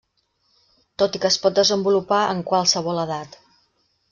Tot i que es pot desenvolupar en qualsevol edat.